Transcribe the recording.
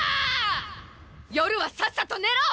夜はさっさと寝ろ！